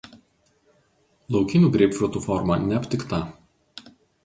Laukinių greipfrutų forma neaptikta.